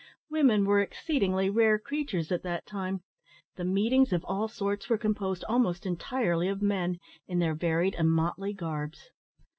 Women were exceedingly rare creatures at that time the meetings of all sorts were composed almost entirely of men, in their varied and motley garbs.